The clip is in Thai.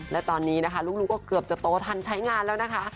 และตอนนี้นะคะลูกก็เกือบจะโตทันใช้งานแล้วนะคะ